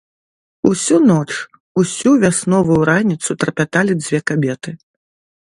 Усю ноч, усю вясновую раніцу трапяталі дзве кабеты.